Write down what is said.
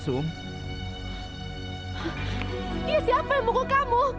siapa yang mengalahkan kamu